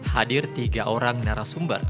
hadir tiga orang narasumber